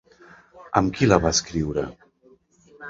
Amb qui la va escriure?